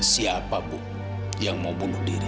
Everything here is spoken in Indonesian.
siapa bu yang mau bunuh diri